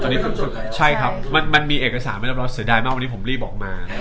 ตอนนี้สูงสุดใช่ครับมันมีเอกสารไม่รับเราเสียดายมากวันนี้ผมรีบออกมา